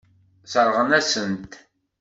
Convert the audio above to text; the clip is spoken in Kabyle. Sseṛɣent-asen-t.